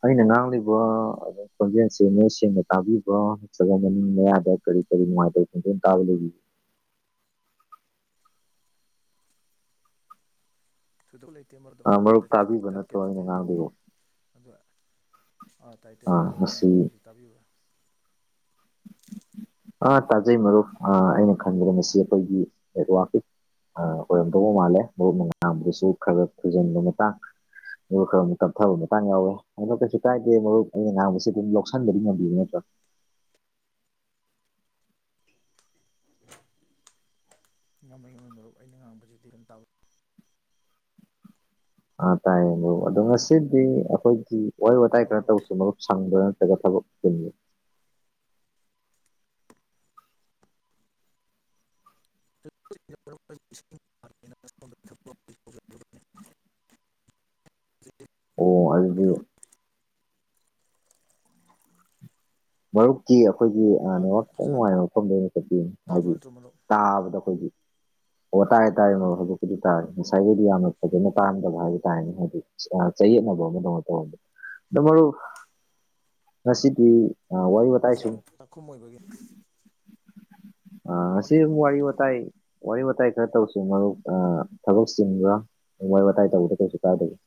ꯎ ꯑꯩꯅ ꯉꯥꯡꯂꯤꯕ ꯑ ꯈꯣꯟꯖꯦꯜꯁꯤ ꯅꯣꯏ ꯁꯦꯡꯅ ꯇꯥꯕꯤꯕ ꯅꯠꯇ꯭ꯔꯕ ꯃꯃꯤꯡ ꯃꯌꯥꯗ ꯀꯔꯤ ꯃꯥꯏ ꯇ ꯇꯥꯍ ꯂꯩ ꯊꯣꯏꯗꯣꯛ ꯂꯩꯇꯦ ꯃꯔꯗ ꯑꯃꯨꯛꯨꯛ ꯃꯔꯨꯞ ꯇꯥꯕꯤꯕ ꯇꯠꯀꯦ ꯇꯠꯀꯦ ꯅꯠꯇ꯭ꯔꯣ ꯑꯩꯅ ꯇꯧꯏꯤ ꯉꯥꯡꯂꯤꯕ ꯑꯗꯨꯒ ꯑꯥ ꯇꯥꯏ ꯇꯥꯏ ꯑ ꯑꯗꯨꯣ ꯑꯩꯅ ꯉꯥꯡꯕꯒꯤꯁꯨ ꯇꯥꯕꯤꯕ꯭ꯔꯥ ꯑꯥ ꯇꯥꯖꯩ ꯃꯔꯨꯞ ꯑꯩꯅ ꯈꯟꯕꯗ ꯉꯁꯤ ꯑꯩꯈꯣꯏꯒꯤ ꯋꯥ ꯑꯣꯏꯔꯝꯗꯧꯕ ꯃꯥꯜꯂꯦ ꯃꯔꯨꯞ ꯃꯥꯡꯕꯗꯨꯁꯨ ꯈꯔ ꯊꯨꯖꯤꯟꯕ ꯃꯇꯥꯡ ꯑꯗꯨꯒ ꯈꯔꯛ ꯇꯞꯊꯕ ꯃꯇꯥꯡ ꯌꯥꯎꯋꯦ ꯑꯗ ꯀꯩꯁꯨ ꯀꯥꯏꯗꯦ ꯃꯔꯨꯞ ꯑꯩꯅ ꯉꯥꯡꯕꯁꯤ ꯑꯗꯨꯝ ꯌꯥꯎꯁꯟꯕꯗꯤ ꯉꯝꯕꯤꯕ ꯅꯠꯇ꯭ꯔꯣ [inaudible] ꯉꯥꯡꯝꯕꯒꯤ ꯉ ꯃꯔꯨꯞ ꯑꯩꯅ ꯉꯥꯡꯕꯁꯤꯗꯤ ꯑꯗꯨꯝ ꯇꯥꯎꯋꯏ ꯑꯥ ꯇꯥꯏꯌꯦ ꯑꯗꯨ ꯑꯗꯣ ꯉꯁꯤꯗꯤ ꯑꯩꯈꯣꯏꯒꯤ ꯋꯥꯔꯤ ꯋꯥꯇꯥꯏ ꯈꯔ ꯇꯧꯁꯨ ꯃꯔꯨꯞ ꯁꯪꯕ ꯀꯕꯨꯅꯤ [inaudible] ꯑꯣ ꯑꯗꯨꯗꯤ ꯃꯔꯔꯨꯞ ꯀ ꯑꯩꯈꯣꯏꯒꯤ ꯑꯥ ꯈꯤꯇꯪ ꯐꯖꯅ ꯅꯨꯡꯉꯥꯏ ꯃꯐꯝꯗꯩꯅ ꯇꯥꯕ ꯍꯥꯏꯗꯤ ꯅꯠꯇ꯭ꯔꯣ ꯃꯔꯨꯞ ꯇꯥꯕꯗ ꯑꯩꯈꯣꯏꯒꯤ ꯑꯣ ꯋꯥ ꯇꯥꯏ ꯇꯥꯔꯦ ꯃꯕꯛꯄꯨꯗꯤ ꯇꯥꯔꯦ ꯉꯁꯥꯏꯒꯤꯗꯤ ꯌꯥꯝꯅ ꯐꯖꯅ ꯄꯥꯔꯝꯗꯕ ꯍꯥꯏꯕ ꯇꯥꯔꯅꯦ ꯍꯥꯏꯗꯤ ꯉꯥꯏꯅ ꯇꯧ ꯑꯗꯨꯗꯣ ꯃꯔꯨ ꯉꯁꯤꯗꯤ ꯑ ꯋꯥꯣꯏ ꯑꯇꯥꯏꯁꯨ ꯆꯥꯛꯈꯨꯝ ꯑꯣꯏꯕꯒꯤ ꯑ ꯑꯣ ꯑꯁꯤ ꯍꯥꯏꯕꯤꯌꯨ ꯃꯔꯨꯞ ꯋꯥꯏ ꯋꯥꯇꯥꯥꯏ ꯋꯥꯔꯤ ꯋꯥꯇꯥꯏ ꯈꯔ ꯇꯧꯁꯤ ꯃꯔꯨꯞ ꯊꯕꯛ ꯆꯤꯟꯕ꯭ꯔꯥ ꯋꯥꯔꯤ ꯋꯥꯇꯥꯏ ꯇꯧꯕꯗ ꯀꯩꯁꯨ ꯀꯥꯗꯒꯦ [inaudible]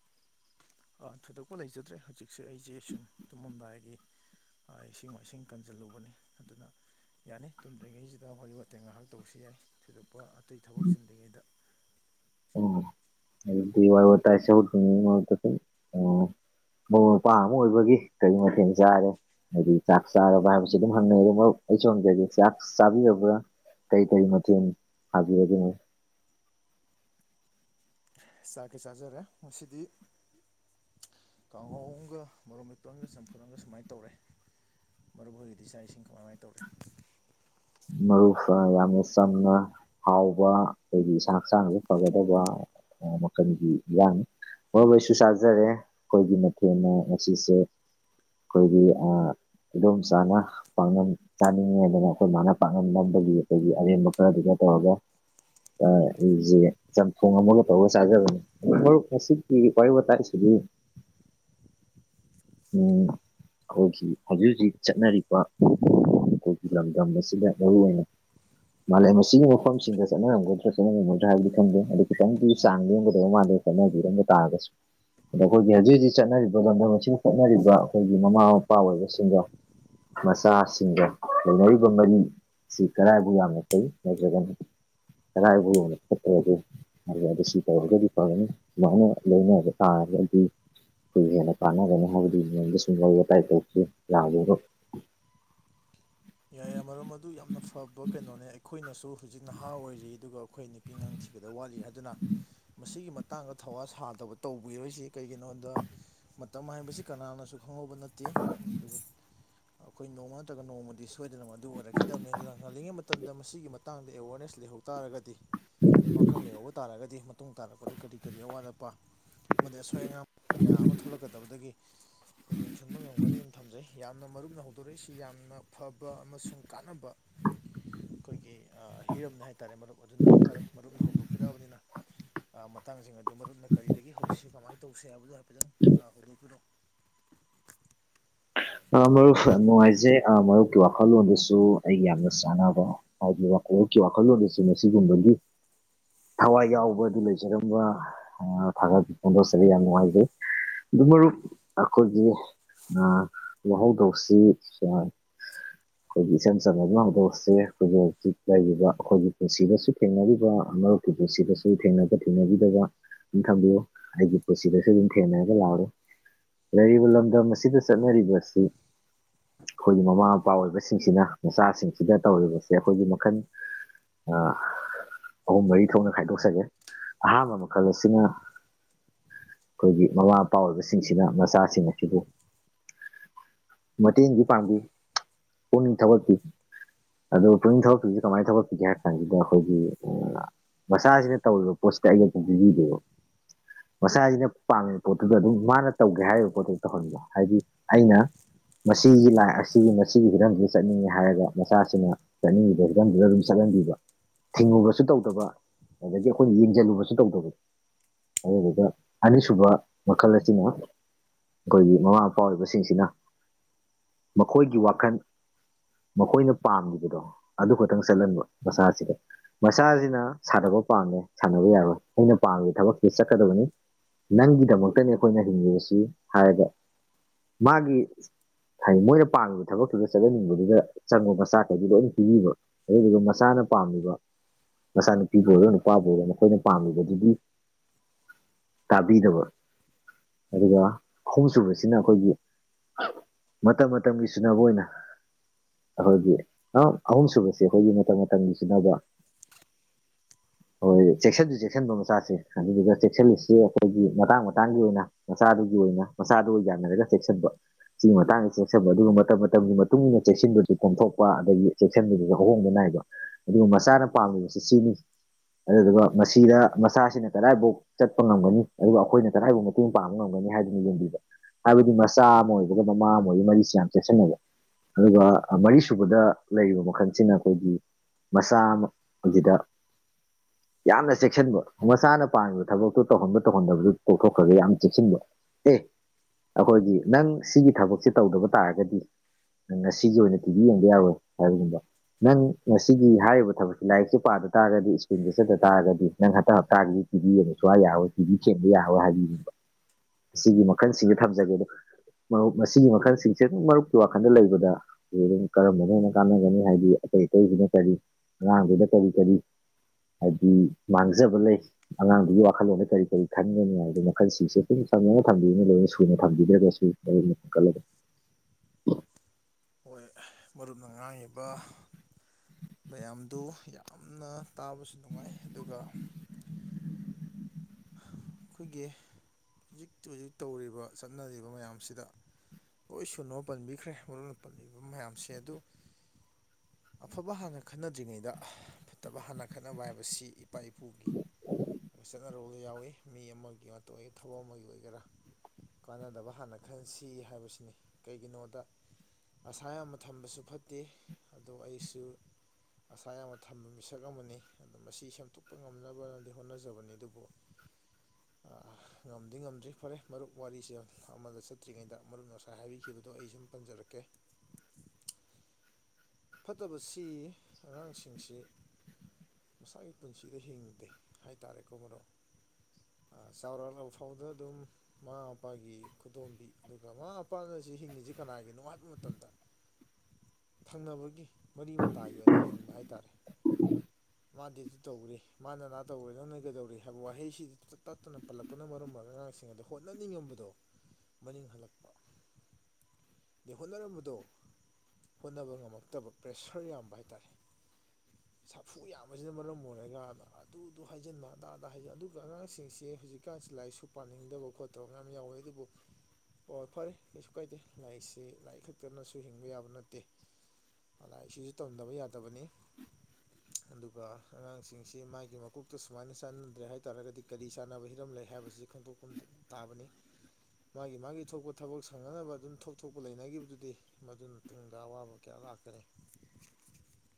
ꯊꯣꯏꯗꯣꯛꯄ ꯂꯩꯖꯗ꯭ꯔꯦ ꯍꯧꯖꯤꯛꯁꯦ ꯑꯩꯁꯦ ꯁꯨꯝ ꯇꯨꯝꯃꯝꯗꯥꯏꯒꯤ [inaudible] ꯏꯁꯤꯡ ꯃꯥꯏꯁꯤꯡ ꯀꯟꯁꯤꯜꯂꯨꯕꯅꯤ ꯑꯗꯨꯅ ꯌꯥꯅꯤ ꯇꯨꯝꯗ꯭ꯔꯤꯉꯩꯁꯤꯗ ꯑꯩꯈꯣꯏ ꯋꯥꯇꯦꯡ ꯉꯥꯏꯍꯥꯛ ꯇꯧꯁꯨ ꯌꯥꯏ ꯊꯣꯏꯗꯣꯛꯄ ꯑꯇꯩ ꯊꯕꯛ ꯆꯤꯟꯗ꯭ꯔꯤꯉꯩꯗ [unintelligible] ꯎꯝꯕꯠꯇꯥ ꯃꯔꯨꯞ ꯃꯄꯥꯡ ꯑꯃ ꯑꯣꯏꯕꯒꯤ ꯀꯔꯤ ꯃꯊꯦꯜ ꯆꯥꯔꯦ ꯍꯥꯏꯗꯤ ꯆꯥꯛ ꯆꯥꯔꯕ ꯍꯥꯏꯕꯁꯤ ꯑꯗꯨꯝ ꯍꯪꯅꯩ ꯑꯗꯨ ꯑꯩ ꯁꯣꯝꯗꯒ ꯆꯥꯛ ꯆꯥꯕꯤꯔꯕ꯭ꯔꯥ ꯀꯔꯤ ꯀꯔꯤ ꯃꯊꯦꯜ ꯊꯕꯤꯔꯒꯅꯤ [inaudible] ꯆꯥꯛꯇꯤ ꯆꯥꯖꯔꯦ ꯉꯁꯤꯗꯤ ꯀꯥꯡꯍꯧꯃꯒ ꯃꯔꫭꯛ ꯃꯦꯠꯄꯥꯃꯒ ꯆꯝꯐꯨꯨꯠ ꯑꯃꯒ ꯁꯨꯃꯥꯏꯅ ꯇꯧꯔꯦ ꯃꯔꯨꯣꯏꯒꯤꯗꯤ ꯆꯥꯛ ꯏꯁꯤꯡ ꯀꯃꯥꯏꯀꯃꯥꯏꯅ ꯇꯧꯔꯦ ꯃꯔꯨꯞ ꯑ ꯌꯥꯝꯅ ꯆꯝꯅ ꯍꯥꯎꯕ ꯑꯩꯈꯗꯤ ꯏꯁꯥ ꯍꯛꯆꯥꯡꯁꯨ ꯐꯒꯗꯕ ꯃꯈꯜꯒꯤ ꯏꯟꯖꯥꯡꯅꯤ ꯍꯣꯏ ꯑꯩꯁꯨ ꯆꯥꯖꯔꯦ ꯑꯩꯈꯣꯏꯒꯤ ꯃꯊꯦꯜꯅ ꯉꯁꯤꯁꯦ ꯑꯩꯈꯣꯏꯒꯤ ꯏꯗꯣꯝꯆꯥꯅ ꯄꯥꯛꯅꯝ ꯆꯥꯅꯤꯡꯉꯤꯗꯅ ꯑꯩꯈꯣꯏ ꯃꯥꯅ ꯄꯥꯛꯉꯝ ꯅꯝꯕꯒꯤ ꯑꯩꯈꯣꯏꯒꯤ ꯑꯔꯦꯝꯕ ꯈꯔꯗꯨꯒ ꯇꯧꯔꯒ ꯑꯩꯁꯦ ꯆꯝꯊꯣꯡ ꯑꯃꯛꯒ ꯇꯧꯔꯒ ꯆꯥꯖꯕꯅꯤ ꯃꯔꯨꯞ ꯉꯁꯤꯒꯤ ꯋꯥꯔꯤ ꯋꯥꯇꯥꯏꯁꯤꯗꯤ ꯎ ꯎꯝ ꯑꯩꯈꯣꯏꯒꯤ ꯍꯧꯖꯤꯛ ꯍꯧꯖꯤꯛ ꯆꯠꯅꯔꯤꯕ ꯑꯩꯈꯣꯏꯒꯤ ꯂꯝꯗꯝ ꯑꯁꯤꯗ ꯃꯔꯨ ꯑꫭꯏꯅ ꯃꯥꯂꯦꯝ ꯑꯁꯤꯒꯤ ꯃꯐꯝꯁꯤꯡꯗ ꯆꯠꯅꯔꯝꯒꯗ꯭ꯔꯥ ꯆꯠꯅꯔꯝꯃꫭꯏꯗ꯭ꯔꯥ ꯍꯥꯏꯕꯗꯤ ꯈꯪꯗꯦ ꯑꯗꯨ ꯈꯤꯇꯪꯗꯤ ꯆꯥꯡ ꯅꯦꯝꯒꯗꯕ ꯃꯥꯜꯂꯦ ꯍꯠꯅꯕꯤꯔꯝꯕ ꯇꯥꯔꯒꯁꯨ ꯑꯗꯣ ꯑꯩꯈꯣꯏꯒꯤ ꯍꯧꯖꯤꯛ ꯍꯧꯖꯤꯛ ꯆꯠꯅꯔꯤꯕ ꯂꯝꯗꯝ ꯑꯁꯤꯗ ꯍꯣꯠꯅꯔꯤꯕ ꯑꯩꯈꯣꯏꯒꯤ ꯃꯃꯥ ꯃꯄꯥ ꯑꯣꯏꯕꯁꯤꯡꯒ ꯃꯆꯥꯁꯤꯡꯒ ꯂꯩꯅꯔꯤꯕ ꯃꯔꯤ ꯁꯤ ꯀꯔꯥꯏꯕꯨ ꯌꯥꯝꯅ ꯐꯩ ꯅꯠꯇ꯭ꯔꯒꯅ ꯀꯗꯥꯏꯕꯨ ꯌꯧꯅ ꯐꯠꯇ꯭ꯔꯒꯦ ꯑꯗꯨ ꯑꯗꯣ ꯁꯤ ꯇꯧꯔꯒꯗꯤ ꯐꯒꯅꯤ ꯁꯨꯃꯥꯏꯅ ꯂꫭꯏꯅꯕ ꯇꯥꯔ [unintelligible] ꯑꯩꯈꯣꯏ ꯍꯦꯟꯅ ꯀꯥꯟꯅꯒꯅꯤ ꯍꯥꯏꯕꯗꯨꯏ ꯃꯔꯝꯗ ꯁꯨꯝ ꯋꯥꯔꯤ ꯋꯥꯇꯥꯏ ꯇꯧꯕꯗꯤ ꯌꯥꯏ ꯑꯗꫭ [inaudible] ꯌꯥꯏ ꯌꯥꯏ ꯃꯔꯝ ꯑꯗꯨ ꯌꯥꯝꯅ ꯐꯕ ꯀꯩꯅꯣꯅꯦ ꯑꯩꯈꯣꯏꯅꯁꯨ ꯍꯧꯖꯤꯛ ꯅꯍꯥ ꯑꯣꯏꯔꯤ ꯑꯗꯨꯒ ꯑꯩꯈꯣꯏ ꯅꯨꯄꯤ ꯉꯥꯡꯊꯤꯕꯗꯕ ꯋꯥꯠꯂꯤ ꯍꯥꯏꯗꯨꯅ ꯃꯁꯤꯒꯤ ꯃꯇꯛꯥꯡꯗ ꯊꯋꯥ ꯁꯥꯗꯕ ꯇꯧꯕꯒꯤꯔꯣꯏꯁꯤ ꯀꯩꯒꯤꯅꯣꯗ ꯃꯇꯝ ꯍꯥꯏꯕꯁꯤ ꯀꯅꯥꯅꯁꯨ ꯈꯪꯍꯧꯕ ꯅꯠꯇꯦ ꯑꯗꯨꯒ ꯑꯩꯈꯣꯏ ꯅꯣꯡꯃ ꯅꯠꯇ꯭ꯔꯒ ꯅꯣꯡꯃꯗꯤ ꯁꯣꯏꯗꯅ ꯃꯗꯨ ꯑꯣꯏꯔꯛꯈꯤꯗꯕꯅꯤ ꯑꯗꯨꯅ ꯉꯜꯂꯤꯉꯩ ꯃꯇꯝꯗ ꯃꯁꯤꯒꯤ ꯃꯇꯥꯡꯗ ꯑꯦꯋꯥꫪꯅꯦꯁ ꯂꯩꯍꯧ ꯇꯥꯔꯒꯗꯤ ꯋꯥꯈꯜ ꯂꯩꯍꯧꯕ ꯇꯥꯔꯒꯗꯤ ꯃꯇꯨꯡ ꯇꯥꯔꯛꯄꯗ ꯀꯔꯤ ꯀꯔꯤ ꯑꯋꯥꯠ ꯑꯄꯥ ꯑꯃꯗꯤ ꯑꯁꯣꯏ ꯑꯉꯥꯝ ꯀꯌꯥ ꯑꯃ ꯊꯣꯛꯂꯛꯀꯗꯕꯗꯒꯤ ꯑꯩꯈꯣꯏ ꯌꯦꯡꯁꯤꯟꯕ ꯉꯝꯒꯅꯤꯅ ꯊꯝꯖꯩ ꯌꯥꯝꯅ ꯃꯔꯨꯞꯅ ꯍꯧꯗꯣꯔꯛꯏꯁꯤ ꯌꯥꯝꯅ ꯐꯕ ꯑꯃꯁꯨꯡ ꯀꯥꯟꯅꯕ ꯑꯩꯈꯣꯏꯒꯤ ꯍꯤꯔꯝꯅꯤ ꯍꯥꯏꯇꯥꯔꯦ ꯃꯔꯨꯞ ꯑꯗꯨꯅ ꯐꯔꯦ ꯃꯔꯨꯞꯅ ꯍꯧꯗꯣꯛꯄꯤꯔꯛꯑꯕꯅꯤꯅ ꯃꯇꯥꯡꯁꯤꯡ ꯑꯗꯨ ꯃꯔꯨꯞꯅ ꯀꯔꯤꯗꯒꯤ ꯍꯧꯁꯤ ꯀꯃꯥꯏ ꯃꯔꯨꯞ ꯅꯨꯡꯉꯥꯏꯖꯩ ꯃꯔꯨꯞꯀꯤ ꯋꯥꯈꯜꯂꯣꯟꯗꯨꯁꯨ ꯑꯩ ꯌꯥꯝꯅ ꯆꯥꯟꯅꯕ ꯍꯥꯏꯗꯤ ꯋꯥꯈꯜ ꯃꯔꯨꯞꯀꯤ ꯋꯥꯈꯜꯂꯣꯟꯗꯨꯁꯨ ꯃꯁꯤꯒꯨꯝꯕꯒꯤ ꯊꯋꯥꯏ ꯌꯥꯎꯕ ꯑꯗꯨ ꯂꯩꯖꯔꯝꯕ ꯊꯥꯒꯠꯄ ꯐꯣꯡꯗꯣꯛꯆꯔꯤ ꯌꯥꯝ ꯅꯨꯡꯉꯥꯏꯖꯩ ꯑꯗꯨꯃꯔꯨꯞ ꯑꯈꯣꯏꯒꯤ ꯑ ꯋꯥꯍꯧꯗꯣꯛꯁꯤ ꯑ ꯑꯩꯈꯣꯏꯒꯤ ꯏꯆꯝ ꯆꯪꯝꯅ ꯑꯗꯨꯝ ꯍꯧꯗꯣꯛꯑꯁꯦ ꯑꯩꯈꯣꯏꯒꯤ ꯍꯧꯖꯤꯛ ꯂꯩꯔꯤꯕ ꯑꯩꯈꯣꯏꯒꯤ ꯄꯨꯟꯁꯤꯗꯁꯨ ꯊꯦꯡꯅꯔꯤꯕ ꯃꯔꯨꯞꯀꯤꯄꯨꯟꯁꯤꯗꯁꯨ ꯊꯦꯡꯅꯕ ꯊꯦꯡꯅꯕꯤꯗꯕ ꯑꯗꯨꯝ ꯊꯝꯕꯤꯌꯨ ꯑꯩꯒꯤ ꯄꯨꯟꯁꯤꯗꯁꯨ ꯑꯗꯨꯝ ꯊꯦꯡꯅꯔꯒ ꯂꯥꯛꯂꯦ ꯂꯩꯔꯤꯕ ꯂꯝꯗꯝ ꯑꯁꯤꯗ ꯆꯠꯅꯔꯤꯕ ꯑꯁꯤ ꯑꯩꯈꯣꯏꯒꯤ ꯃꯃꯥ ꯃꯄꯥ ꯑꯣꯏꯕꯁꯤꯡꯁꯤꯅ ꯃꯆꯥꯁꯤꯡꯁꯤꯗ ꯇꯧꯔꯤꯕꯁꯦ ꯑꯩꯈꯣꯏꯒꯤ ꯃꯈꯜ ꯑ ꯑꯍꯨꯝ ꯃꯔꯤ ꯊꯣꯛꯅ ꯈꯥꯏꯗꯣꯛꯆꯒꯦ ꯑꯍꯥꯟꯕ ꯃꯈꯜ ꯑꯁꯤꯅ ꯑꯩꯈꯣꯏꯒꯤ ꯃꯃꯥ ꯃꯄꯥ ꯑꯣꯏꯕꯁꯤꯡꯁꯤꯅ ꯃꯆꯥꯁꯤꯡ ꯑꯁꯤꯕꯨ ꯃꯇꯦꯡꯗꯤ ꯄꯥꯡꯕꯤ ꯄꯨꯛꯅꯤꯡ ꯊꯧꯒꯠꯄꯤ ꯑꯗꯣ ꯄꯨꯛꯅꯤꯡ ꯊꯧꯒꯥꯠꯄꯤꯕꯁꯦ ꯀꯃꯥꯏꯅ ꯊꯧꯒꯥꯠꯄꯤꯒꯦ ꯍꯥꯏꯕ ꯀꯥꯟꯁꯤꯗ ꯑꯩꯈꯣꯏꯒꯤ ꯃꯆꯥꯁꯤꯅ ꯇꯧꯔꯤꯕ ꯄꯣꯠꯁꯤꯗ ꯑꯌꯦꯠꯄ ꯄꯕꯤꯗꯦꯕ ꯃꯆꯥꯁꯤꯅ ꯄꯥꯝꯃꯤꯕ ꯄꯣꯠꯇꯨꯗ ꯑꯗꯨꯝ ꯃꯥꯅ ꯇꯧꯒꯦ ꯍꯥꯏꯔꯤꯕ ꯄꯣꯠꯇꯨ ꯇꯧꯍꯟꯕꯤꯌꯣ ꯍꯥꯏꯗꯤ ꯑꯩꯅ [inaudible] ꯃꯁꯤꯒꯤ ꯂꯥꯏ ꯑꯁꯤ ꯃꯁꯤ ꯐꯤꯕꯝꯁꯤꯗ ꯆꯠꯅꯤꯡꯉꯦ ꯍꯥꯏꯔꯒ ꯃꯆꯥꯁꯤꯅ ꯆꯠꯅꯤꯡꯉꯤꯕ ꯐꯤꯕꯝꯗꯨꯗ ꯑꯗꯨꯝ ꯆꯠꯍꯟꯕꯤꯕ ꯊꯤꯡꯉꯨꯕꯁꯨ ꯇꯧꯗꯕ ꯑꯗꯒꯤ ꯑꯩꯈꯣꯏꯅ ꯌꯦꯡꯖꯤꯜꯂꯨꯕꯁꯨ ꯇꯧꯗꯕ ꯑꯗꯨꯗꯨꯒ ꯑꯅꯤꯁꯨꯕ ꯃꯈꯥꯜ ꯑꯁꯤꯅ ꯑꯩꯈꯣꯏꯒꯤ ꯃꯃꯥ ꯃꯄꯥ ꯑꯣꯏꯕꯁꯤꯡꯁꯤꯅ ꯃꯈꯣꯏꯒꯤ ꯋꯥꯈꯟ ꯃꯈꯣꯏꯅ ꯄꯥꯝꯂꯤꯕꯗꯣ ꯑꯗꯨ ꯈꯛꯇꯪ ꯆꯠꯍꯟꯕ ꯃꯆꯥꯁꯤꯗ ꯃꯆꯥꯁꯤꯅ ꯁꯥꯟꯅꯕ ꯄꯥꯝꯃꯦ ꯁꯥꯟꯅꯕ ꯌꯥꯔꯣꯏ ꯑꯩꯅ ꯄꯥꯝꯃꯤ ꯊꯕꯛꯁꯤ ꯆꯠꯀꯗꯕꯅꯤ ꯅꯪꯒꯤꯗꯃꯛꯇꯅꯦ ꯑꯩꯈꯣꯏꯅ ꯍꯤꯡꯉꯤꯕꯁꯤ ꯍꯥꯏꯔꯒ ꯃꯥꯒꯤ ꯍꯥꯏꯗꯤ ꯃꯣꯏꯅ ꯄꯥꯝꯃꯤꯕ ꯊꯕꯛꯇꯨꯗ ꯆꯠꯍꯟꯅꯤꯡꯕꯗꯨꯗ ꯆꯪꯕ ꯃꯆꯥꯛꯈꯩꯗꯤ ꯂꯣꯏꯅ ꯄꯤꯕꯤꯕ ꯑꯗꯨꯗꯨꯒ ꯃꯆꯥꯅ ꯄꯥꯝꯂꯤꯕ ꯃꯆꯥꯅꯨꯄꯤꯕꯨ ꯑꯣꯏꯔꯣ ꯅꯨꯄꯥꯕꯨ ꯑꯣꯏꯔꯣ ꯃꯈꯣꯏꯅ ꯄꯥꯝꯂꯤꯕꯗꯨꯗꯤ ꯇꯥꯕꯤꯗꯕ ꯑꯗꯨꯒ ꯑꯍꯨꯝ ꯁꯨꯕꯁꯤꯅ ꯑꯩꯈꯣꯏꯒꯤ ꯃꯇꯝ ꯃꯇꯝꯒꯤ ꯆꯨꯅꯕ ꯑꯣꯏꯅ ꯑꯩꯈꯣꯏꯒꯤ ꯑꯪ ꯑꯍꯨꯝ ꯁꯨꯕꯁꯦ ꯑꯩꯈꯣꯏꯒꯤ ꯃꯇꯝ ꯃꯇꯝꯒꯤꯆꯨꯅꯕ [inaudible] ꯍꯣꯏ ꯆꯦꯛꯁꯥꯟꯁꯨ ꯆꯦꯛꯁꯥꯟꯕ ꯃꯆꯥꯁꯦ ꯑꯗꯨꯗꯨꯒ ꯆꯦꯛꯁꯥꯟꯂꯤꯁꯦ ꯑꯩꯈꯣꯏꯒꯤ ꯃꯇꯥꯡ ꯃꯇꯥꯡꯒꯤ ꯑꯣꯏꯅ ꯃꯆꯥꯗꯨ ꯑꯩꯒꯤ ꯑꯣꯏꯅ ꯃꯆꯥꯗꯣ ꯌꯥꯅꯔꯒ ꯆꯦꯛꯁꯥꯟꯕ ꯁꯤꯒꯤ ꯃꯇꯥꯡꯁꯤ ꯆꯦꯛꯁꯥꯟꯕ ꯑꯗꯨꯕꯨ ꯃꯇꯝ ꯃꯇꯝꯒꯤ ꯃꯇꯨꯡꯏꯟꯅ ꯆꯦꯛꯁꯤꯟꯕꯗꯨ ꯀꯣꯝꯊꯣꯛꯄ ꯑꯗꯨꯒꯤ ꯆꯦꯛꯁꯤꯟꯕꯗꯨꯁꯨ ꯑꯍꯣꯡꯕꯅ ꯍꯥꯏꯗꯣ ꯑꯗꯨꯒ ꯃꯆꯥꯅ ꯄꯥꯝꯂꯤꯕꯁꯤ ꯁꯤꯅꯤ ꯑꯗꯨꯗꯨꯒ ꯃꯁꯤꯗ ꯃꯆꯥꯁꯤꯅ ꯀꯗꯥꯏꯕꯨꯛ ꯆꯠꯄ ꯉꯝꯒꯅꯤ ꯑꯗꯨꯒ ꯑꯩꯈꯣꯏꯅ ꯀꯗꯥꯏꯕꯨꯛ ꯃꯇꯦꯡ ꯄꯥꯡꯕ ꯉꯝꯒꯅꯤ ꯍꯥꯏꯗꯨꯅ ꯌꯦꯡꯕꯤꯕ ꯍꯥꯏꯕꯗꯤ ꯃꯆꯥ ꯑꯃ ꯑꯣꯏꯕꯒ ꯃꯃꯥ ꯑꯃ ꯑꯣꯏꯕ ꯃꯔꯤꯁꯦ ꯌꯥꯝ ꯆꯦꯛꯁꯤꯟꯅꯩꯌꯦ ꯑꯗꯨꯒ ꯃꯔꯤꯁꯨꯕꯗ ꯂꯩꯔꯤꯕ ꯃꯈꯜꯁꯤꯅ ꯑꯩꯈꯣꯏꯒꯤ ꯃꯆꯥꯑꯃꯒꯤꯗ ꯌꯥꯝꯅ ꯆꯦꯛꯁꯥꯟꯕ ꯃꯆꯥꯅ ꯄꯥꯝꯃꯤꯕ ꯊꯕꯛꯇꯨ ꯇꯧꯍꯟꯕ ꯇꯧꯍꯟꯗꯕꯗꯨ ꯇꯣꯛꯊꯣꯛꯈ꯭ꯔꯒ ꯌꯥꯝꯅ ꯆꯦꯛꯁꯥꯟꯕ ꯑꯦ ꯑꯩꯈꯣꯏꯒꯤ ꯅꯪ ꯁꯤꯒꯤ ꯊꯕꯛꯁꯦ ꯇꯧꯗꯕ ꯇꯥꯔꯒꯗꯤ ꯉꯁꯤꯒꯤ ꯑꯣꯏꯅ ꯇꯤꯚꯤ ꯌꯦꯡꯕ ꯌꯥꯔꯣꯏ ꯍꯥꯏꯕꯒꯨꯝꯕ ꯅꯪ ꯉꯁꯤꯒꯤ ꯍꯥꯏꯔꯤꯕ ꯊꯕꯛꯁꯦ ꯂꯥꯏꯔꯤꯛꯁꯦ ꯄꯥꯗ ꯇꯥꯔꯒꯗꯤ ꯁ꯭ꯀꯨꯜꯁꯦ ꯆꯠꯇ ꯇꯥꯔꯒꯗꯤ ꯅꯪ ꯍꯥꯟꯇꯥꯛ ꯍꯞꯇꯥꯁꯤꯒꯤ ꯇꯤꯚꯤ ꯌꯦ ꯁ꯭ꯋꯥꯏ ꯌꯥꯎꯔꯣꯏ ꯇꯤꯚꯤ ꯆꯦꯟꯕ ꯌꯥꯔꯣꯏ ꯍꯥꯏꯕꯤꯔꯤ ꯁꯤꯒꯤ ꯃꯈꯜꯁꯤꯡꯁꯦ ꯊꯝꯖꯒꯦꯗ ꯨꯃꯔꯨꯞ ꯃꯁꯤꯒꯤ ꯃꯈꯜꯁꯤꯡꯁꯦ ꯃꯔꯨꯞꯀꯤ ꯋꯥꯈꯜꯗ ꯂꯩꯕꯗ ꯑꯗꯨꯝ ꯀꯔꯝꯕꯅꯥ ꯍꯦꯟꯅ ꯀꯥꯟꯅꯒꯅꯤ ꯍꯥꯏꯕꯔꯛꯑꯣ ꯏꯗꯨꯏ ꯁꯤꯅ ꯀꯔꯤ ꯉꯥꯡꯗꯨꯏꯁꯤꯅ ꯀꯔꯤ ꯀꯔꯤ ꯍꯥꯏꯕꯗꯤ ꯃꯥꯡꯖꯕ ꯂꯩ ꯑꯉꯥꯡꯗꯨꯒꯤ ꯋꯥꯈꯜꯂꯣꯟꯗ ꯀꯔꯤ ꯀꯔꯤ ꯈꯟꯒꯅꯤ ꯍꯥꯏꯕ ꯃꯈꯜꯁꯤꯡꯁꯦ ꯑꯩꯈꯣꯏꯒꯤ ꯐꯖꯟꯅ ꯊꯝꯕꯤꯅꯤ ꯂꯣꯏꯅ ꯁꯨꯅ ꯊꯝꯕꯤꯗꯔꯒꯁꯨ ꯍꯣꯏ ꯃꯔꯨꯞꯅ ꯉꯥꯡꯉꯤꯕ ꯃꯌꯥꯝꯗꯨ ꯌꯥꯝꯅ ꯇꯥꯕꯁꯨ ꯅꯨꯡꯉꯥꯏ ꯑꯗꯨꯒ ꯑꯩꯈꯣꯏꯒꯤ ꯍꯧꯖꯤꯛ ꯍꯧꯖꯤꯛ ꯇꯧꯔꯤꯕ ꯆꯠꯅꯔꯤꯕ ꯃꯌꯥꯝꯁꯤꯗ ꯍꯣꯏ ꯁꯨꯅꯣꯕ ꯄꯟꯕꯤꯈ꯭ꯔꯦ ꯃꯔꯨꯞꯅ ꯄꯟꯕꯤꯕ ꯃꯌꯥꯝꯁꯦ ꯑꯗꯨ ꯎ ꯑꯐꯕ ꯍꯥꯟꯅ ꯈꯟꯅꯗ꯭ꯔꯤꯉꯩꯗ ꯐꯠꯇꯕ ꯍꯥꯟꯅ ꯈꯠꯅꯕ ꯍꯥꯏꯕꯁꯤ ꯏꯄꯥ ꯏꯄꯨꯒꯤ ꯑꯗꯨ ꯆꯠꯅꯔꯨꯕꯗ ꯌꯥꯎꯏꯤ ꯃꯤ ꯑꯃꯒꯤ ꯑꯣꯏ ꯊꯕꯛ ꯑꯃꯒꯤ ꯑꯣꯏꯒꯦꯔꯥ ꯀꯥꯟꯅꯗꯕ ꯍꯥꯟꯅ ꯈꯟꯁꯤ ꯍꯥꯏꯕꯁꯤꯅꯤ ꯀꯩꯒꯤꯅꯣꯗ ꯑꯁꯥ ꯌꯥꯝ ꯊꯝꯕꯁꯨ ꯐꯠꯇꯦ ꯑꯗꯣ ꯑꯩꯁꯨ ꯑꯁꯥ ꯌꯥꯝꯕ ꯊꯝꯕ ꯃꯤꯁꯛ ꯑꯃꯅꯤ ꯃꯁꯤ ꯁꯦꯝꯗꯣꯛꯄ ꯉꯝꯅꯕꯗꯤ ꯍꯣꯠꯅꯖꯕꯅꯤ ꯑꯗꯨꯕꯨ [inaudible] ꯉꯝꯗꯤ ꯉꯝꯗ꯭ꯔꯤ ꯐꯔꯦ ꯃꯔꯨꯞ ꯋꯥꯔꯤꯁꯦ ꯑꯃꯗ ꯆꯠꯇ꯭ꯔꯤꯉꯩꯗ ꯃꯔꯨꯞ ꯉꯁꯥꯏ ꯍꯥꯏꯕꯤꯈꯤꯕꯗꯣ ꯑꯩ ꯁꯨꯝ ꯄꯟꯖꯔꯛꯀꯦ [inaudible] ꯐꯠꯇꯕꯁꯤ ꯑꯉꯥꯡꯁꯤꯡꯁꯤ ꯃꯁꯥꯒꯤ ꯄꯨꯟꯁꯤꯗ ꯍꯤꯡꯗꯦ ꯍꯥꯏ ꯇꯥꯔꯦꯀꯣ ꯃꯔꯣ ꯆꯥꯎꯔꯛꯂꯕ ꯐꯥꯎꯗ ꯑꯗꯨꯝ ꯃꯃꯥ ꯃꯄꯥꯒꯤ ꯈꯨꯗꯣꯝꯕꯤ ꯑꯗꯨꯒ ꯃꯃꯥ ꯃꯄꯥꯅ ꯁꯤ ꯍꯤꯡꯉꯤꯁꯤ ꯀꯅꯥꯒꯤꯅꯣ ꯍꯥꯏꯕ ꯃꯇꯝꯗ [inaudible] ꯊꯪꯅꯕꯒꯤ ꯃꯔꯤ ꯃꯇꯥꯒꯤ ꯑꯣꯏꯅ ꯍꯤꯡꯕ ꯍꯥꯏꯇꯥꯥꯔꯦ [inaudible] ꯃꯥꯗꯤ ꯑꯗꯨ ꯇꯧꯔꯤ ꯃꯥꯅ ꯅꯥ ꯇꯧ꯭ꯔꯦ ꯅꯪꯅ ꯀꯩꯗꯧꯔꯤ ꯍꯥꯏꯕ ꯋꯥꯍꯩꯁꯤꯗꯤ ꯇꯠꯇꯅ ꯄꯜꯂꯛꯄꯅ ꯃꯔꯝ ꯑꯣꯏꯔꯒ ꯁꯤꯡ ꯑꯗ ꯍꯣꯠꯅꯅꯤꯡꯉꯝꯕꯗꯣ ꯃꯅꯤꯡ ꯍꯜꯂꯛꯄ ꯏ ꯍꯣꯠꯅꯔꯝꯕꯗꯣ ꯍꯣꯠꯅꯕ ꯉꯝꯃꯣꯏ ꯐꯠꯇꯕ ꯄ꯭ꯔꯦꯁꯔ ꯌꯥꯝꯕ ꯍꯥꯏꯇꯥꯔꯦ [inaudible] ꯁꯥꯐꯨ ꯌꯥꯝꯕꯁꯤꯅ ꯃꯔꯝ ꯑꯣꯏꯔꯀꯥꯟ ꯑꯗꯨꯗꯣ ꯍꯥꯏꯖꯟ ꯑꯗꯥ ꯑꯗꯥ ꯍꯥꯏꯖ ꯑꯗꯨꯒ ꯑꯉꯥꯡꯁꯤꯡꯁꯦ ꯍꯧꯖꯤꯛꯀꯥꯟ ꯂꯥꯏꯁꯨ ꯄꯥꯅꯤꯡꯗꯕ ꯈꯣꯠꯇꯕ ꯃꯌꯥꯝ ꯌꯥꯎꯋꯦ ꯑꯗꯨꯕꯨ ꯑꯣꯏ ꯐꯔꯦ ꯀꯩꯁꯨ ꯀꯥꯏꯗꯦ ꯂꯥꯏꯔꯤꯛꯁꯤ ꯂꯥꯏꯔꯤꯛ ꯈꯛꯇꯅꯁꯨ ꯍꯤꯡꯕ ꯌꯥꯕ ꯅꯠꯇꯦ ꯑꯗ ꯁꯤꯁꯨ ꯇꯝꯗꯕ ꯌꯥꯗꯕꯅꯤ ꯑꯗꯨꯒ ꯑꯉꯥꯡꯁꯤꯡꯁꯤ ꯃꯥꯒꯤ ꯃꯀꯣꯛꯇ ꯁꯨꯃꯥꯏꯅ ꯆꯥꯟꯅꯗ꯭ꯔꯦ ꯍꯥꯏ ꯇꯥꯔꯒꯗꯤ ꯀꯔꯤ ꯆꯥꯟꯅꯕ ꯍꯤꯔꯝ ꯂꯩ ꯂꯩ ꯍꯥꯏꯕꯁꯤ ꯈꯪꯗꯣꯛ ꯇꯥꯕꯅꯤ ꯃꯥꯒꯤ ꯃꯥꯒꯤ ꯊꯣꯛꯄ ꯊꯕꯛ ꯁꯪꯅꯅꯕ ꯑꯗꯨꯝ ꯊꯣꯛ ꯊꯣꯛꯣꯛꯄ ꯂꯩꯅꯈꯤꯕꯗꯨꯗꯤ ꯃꯗꯨꯅ ꯇꯨꯡꯗ ꯑꯋꯥꯕ ꯀꯌꯥ ꯂꯥꯛꯈꯤ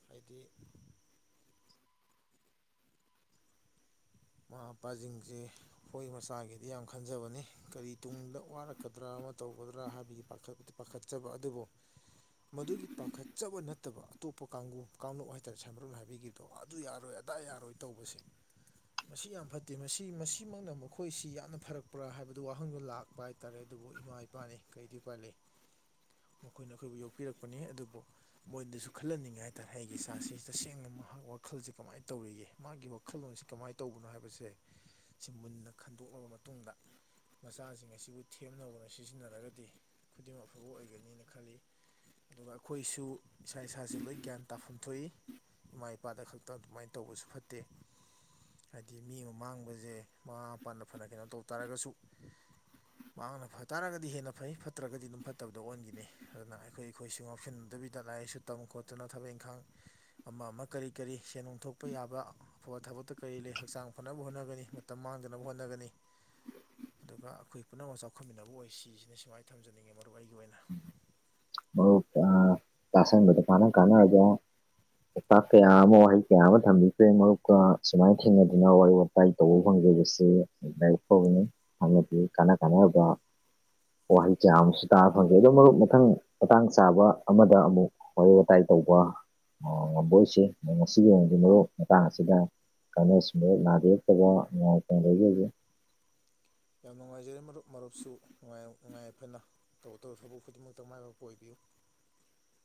ꯍꯥꯏꯗꯤ ꯃꯃꯥ ꯃꯄꯥꯁꯤꯡꯁꯦ ꯑꯩꯈꯣꯏ ꯃꯆꯥꯒꯤꯗꯤ ꯌꯥꯝ ꯈꯟꯖꯕꯅꯤ ꯀꯔꯤ ꯇꯨꯡꯗ ꯋꯥꯔꯛꯀꯗ꯭ꯔꯥ ꯇꯧꯒꯗ꯭ꯔꯥ ꯍꯥꯏꯕꯒꯤ ꯄꯥꯈꯠꯆꯕ ꯑꯗꯨꯕꯨ ꯃꯗꯨꯒꯤ ꯄꯥꯈꯠꯆꯕ ꯅꯠꯇꯕ ꯑꯇꯣꯞꯄ ꯀꯥꯡ ꯀꯥꯡꯂꯨꯞ ꯍꯥꯏꯇꯥꯔꯦ ꯁꯥꯏꯃꯔꯣꯟ ꯍꯥꯏꯕꯤꯈꯤꯕꯗꯣ ꯑꯗꯨ ꯌꯥꯔꯣꯏ ꯑꯗꯥ ꯌꯥꯔꯣꯏ ꯇꯧꯕꯁꯦ ꯎ ꯃꯁꯤ ꯌꯥꯝ ꯐꯠꯇꯦ ꯃꯁꯤ ꯃꯁꯤꯃꯛꯅ ꯃꯈꯣꯏꯁꯤ ꯌꯥꯝꯅ ꯐꯔꯛꯄ꯭ꯔꯥ ꯍꯥꯏꯕꯗꯨ ꯋꯥꯍꯪꯗꯣ ꯂꯥꯛꯄ ꯍꯥꯏꯇꯥꯔꯦ ꯑꯗꯨꯕꯨ ꯏꯃꯥ ꯏꯄꯥꯅꯤ ꯀꯩꯗꯤ ꯎ ꯄꯥꯏ ꯂꯩ ꯃꯈꯣꯏꯅ ꯑꯩꯈꯣꯏꯕꯨ ꯌꯣꯛꯄꯤꯔꯛꯄꯅꯤ ꯑꯗꯨꯕꯨ ꯃꯣꯏꯗꯁꯨ ꯈꯜꯍꯟꯅꯤꯡꯉꯦ ꯍꯥꯏ ꯇꯥꯔꯦ ꯑꯩꯒꯤ ꯢꯆꯁꯤ ꯇꯁꯦꯡꯅ ꯃꯍꯥꯛ ꯋꯥꯈꯜꯁꯦ ꯀꯃꯥꯏꯅ ꯇꯧꯔꯤꯒꯦ ꯃꯥꯒꯤ ꯋꯥꯈꯜꯂꯣꯟꯁꯤ ꯀꯃꯥꯏ ꯇꯧꯕꯅꯣ ꯍꯥꯏꯕꯁꯦ ꯁꯤ ꯃꯨꯟꯅ ꯈꯟꯗꯣꯛꯂꯕ ꯃꯇꯨꯡꯗ ꯃꯆꯥꯁꯤꯡ ꯑꯁꯤꯕꯨ ꯊꯦꯝꯅꯕꯅ ꯁꯤꯖꯤꯟꯅꯔꯒꯗꯤ ꯈꯨꯗꯤꯡꯃꯛ ꯑꯐꯕ ꯑꯣꯏꯒꯅꯤꯅ ꯈꯜꯂꯤ ꯑꯗꯨꯒ ꯑꯩꯈꯣꯏꯁꯨ ꯏꯁꯥ ꯏꯁꯥꯁꯨ ꯂꯣꯏ ꯒ꯭ꯌꯥꯟ ꯇꯥꯐꯝ ꯊꯣꯛꯏ ꯏꯃꯥ ꯏꯄꯥꯗ ꯈꯛꯇ ꯑꯗꯨꯃꯥꯏꯅ ꯇꯧꯕꯁꯨ ꯐꯠꯇꯦ ꯍꯥꯏꯗꯤ ꯃꯤ ꯑꯃ ꯃꯥꯡꯕꯁꯦ ꯃꯃꯥ ꯃꯄꯥꯅ ꯐꯅ ꯀꯩꯅꯣ ꯇꯧꯕ ꯇꯥꯔꯒꯁꯨ ꯃꯍꯥꯛꯅ ꯐ ꯇꯥꯔꯒꯗꯤ ꯍꯦꯟꯅ ꯐꯩ ꯐꯠꯇ꯭ꯔꯒꯗꯤ ꯑꯗꯨꯝ ꯐꯠꯇꯕꯗ ꯑꯣꯟꯈꯤꯅꯤ ꯑꯗꯨꯅ ꯑꯩꯈꯣꯏ ꯑꯩꯈꯣꯏꯁꯨ ꯉꯥꯎꯁꯤꯟꯟꯅꯗꯕ ꯕꯤꯗ ꯂꯥꯏꯔꯤꯥꯏꯁꯨ ꯇꯝ ꯈꯣꯠꯇꯨꯅ ꯊꯕꯛ ꯏꯪꯈꯥꯡ ꯑꯃ ꯑꯃ ꯀꯔꯤ ꯀꯔꯤ ꯁꯦꯟ ꯅꯨꯡ ꯊꯣꯛꯄ ꯌꯥꯕ ꯑꯐꯕ ꯊꯕꯛꯇ ꯀꯔꯤ ꯂꯩ ꯍꯛꯆꯥꯡ ꯐꯅꯕ ꯍꯣꯠꯅꯒꯅꯤ ꯃꯇꯝ ꯃꯥꯡꯗꯅꯕ ꯍꯣꯠꯅꯒꯅꯤ ꯑꯗꯨꯒ ꯑꯩꯈꯣꯏ ꯄꯨꯝꯅꯃꯛ ꯆꯥꯎꯈꯠꯃꯤꯟꯅꯕ ꯑꯣꯏ ꯁꯤꯁꯤꯅ ꯁꯨꯃꯥꯏꯅ ꯊꯝꯖꯅꯤꯡꯉꯤ ꯃꯔꯨꯞ ꯑꯩꯒꯤ ꯑꯣꯏꯅ [unintelligible] ꯄꯥꯎꯇꯥꯛ ꯀꯌꯥ ꯑꯃ ꯋꯥꯍꯩ ꯀꯌꯥ ꯑꯃ ꯊꯝꯕꯤꯈꯔꯦ ꯃꯔꯨꯞꯀ ꯁꯨꯃꯥꯏꯅ ꯊꯦꯡꯅꯗꯨꯅ ꯋꯥꯔꯤ ꯋꯥꯇꯥꯏ ꯇꯧꯕ ꯐꯪꯉ [unintelligible] ꯋꯥꯍꯩ ꯀꯌꯥ ꯑꯃꯁꯨ ꯇꯥꯕ ꯐꯪꯖꯩ ꯑꯗꯣ ꯃꯔꯨꯞ ꯃꯊꯪ ꯃꯇꯥꯡ ꯆꯥꯕ ꯑꯃꯗ ꯑꯃꯨꯛ ꯋꯥꯔꯤ ꯋꯥꯇꯥꯏ ꯇꯧꯕ ꯉꯝꯕꯣꯏꯁꯤ ꯉꯁꯤꯒꯤ ꯑꯣꯏꯅꯣꯡꯁꯤ ꯃꯔꯨꯞ ꯃꯇꯥꯡ ꯑꯁꯤꯗ [unintelligible] ꯌꯥꯝ ꯅꯨꯡꯉꯥꯏꯖꯔꯦ ꯃꯔꯨꯞ ꯃꯔꯨꯞꯁꯨ ꯅꯨꯡꯉꯥꯏ ꯅꯨꯡꯉꯢꯌꯏꯐꯅ ꯇꯧꯔꯨ ꯇꯨꯕ ꯊꯕꯛ ꯈꯨꯗꯤꯡꯃꯛꯇ ꯃꯥꯏ ꯄꯥꯛꯄ ꯑꯣꯏꯕꯤꯌꯨ [inaudible]